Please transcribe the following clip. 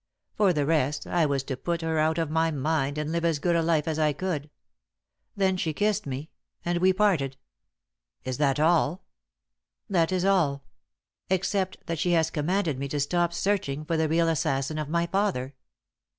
For the rest, I was to put her out of my mind, and live as good a life as I could. Then she kissed me, and we parted." "Is that all?" "That is all; except that she has commanded me to stop searching for the real assassin of my father."